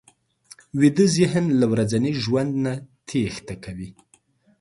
ویده ذهن له ورځني ژوند نه تېښته کوي